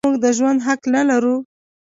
آیا موږ د ژوند حق نلرو؟